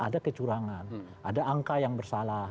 ada kecurangan ada angka yang bersalah